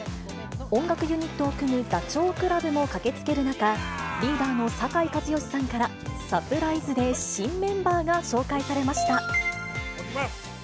音楽ユニットを組むダチョウ倶楽部も駆けつける中、リーダーの酒井一圭さんからサプライズで新メンバーが紹介されました。